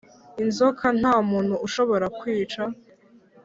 'inzoka nta muntu ushobora kwica